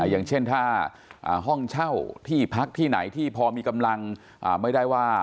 อย่างเช่นถ้าห้องเช่าที่พักที่ไหนที่พอมีกำลังไม่ได้ว่า